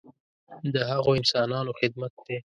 د هغو انسانانو خدمت دی.